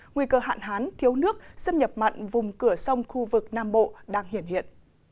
nguy cơ hạn hán thiếu nước xâm nhập mặn vùng cửa sông khu vực nam bộ đang hiện hiện